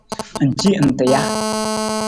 Ng ci nta ja?